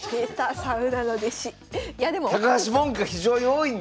サウナの弟子。